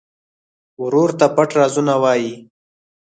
ورور ته پټ رازونه وایې.